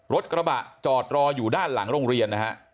รถกระบะจอดรออยู่ด้านหลังโรงเรียนนะฮะ